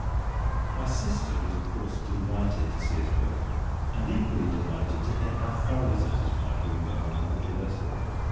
My sister was, of course, delighted to see us both, and equally delighted to hear how thoroughly satisfied we were with our little vessel.